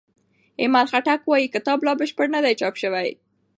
ایمل خټک وايي کتاب لا بشپړ نه دی چاپ شوی.